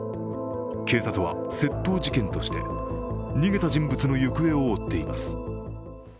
警察は窃盗事件として逃げた人物の行方を追っています。